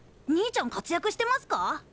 兄ちゃん活躍してますか？